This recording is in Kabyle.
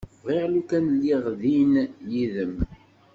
Bɣiɣ lukan lliɣ din yid-m.